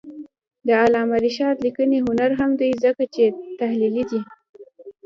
د علامه رشاد لیکنی هنر مهم دی ځکه چې تحلیلي دی.